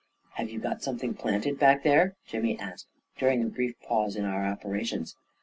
" Have you got something planted back there ?" Jimmy asked, during a brief pause in our opera tions.